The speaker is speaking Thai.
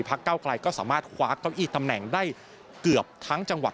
เก้าไกลก็สามารถคว้าเก้าอี้ตำแหน่งได้เกือบทั้งจังหวัด